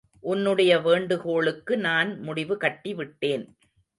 உன்னுடைய வேண்டுகோளுக்கு நான் முடிவு கட்டிவிட்டேன்.